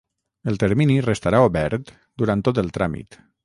El termini restarà obert durant tot el tràmit.